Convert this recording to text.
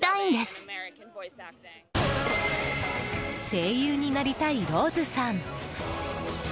声優になりたいローズさん。